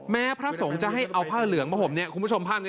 แม้พระสงฆ์จะให้เอาผ้าเหลืองมาห่มเนี่ย